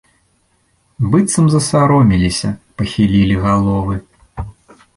Быццам засаромеліся, пахілілі галовы.